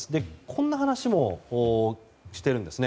こんな話もしているんです。